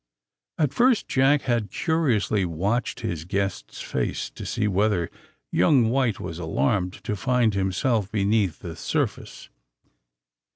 At first Jack had curiously watched his guest's face, to see whether young White was alarmed to find himself beneath the surface.